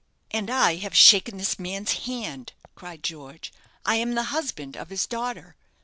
"And I have shaken this man's hand!" cried George. "I am the husband of his daughter.